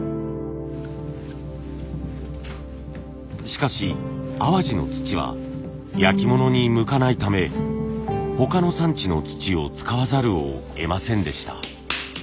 しかし淡路の土は焼き物に向かないため他の産地の土を使わざるをえませんでした。